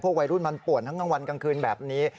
วัยรุ่นมันป่วนทั้งกลางวันกลางคืนแบบนี้